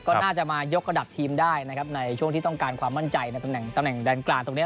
ก็น่าจะมายกระดับทีมได้นะครับในช่วงที่ต้องการความมั่นใจในตำแหน่งแดนกลางตรงนี้